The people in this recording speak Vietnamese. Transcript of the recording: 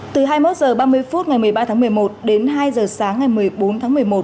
từ hai mươi một h ba mươi phút ngày một mươi ba tháng một mươi một đến hai h sáng ngày một mươi bốn tháng một mươi một